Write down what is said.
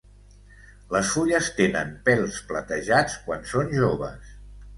Les fulles tenen pèls platejats quan són joves.